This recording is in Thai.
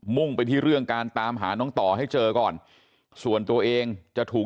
่งไปที่เรื่องการตามหาน้องต่อให้เจอก่อนส่วนตัวเองจะถูก